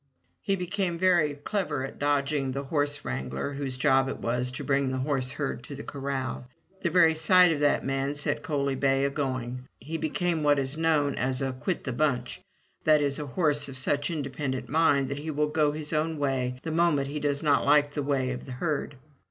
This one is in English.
He became very clever at dodging the horse wrangler whose job it was to bring the horseherd to the corral. The very sight of that man set Coaly bay a going. He became what is known as a "Quit the bunch'* — that is a horse of such independent mind that he will go his own way the moment he does not like the way of the herd.